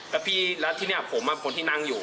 แล้วที่นี่ผมคนที่นั่งอยู่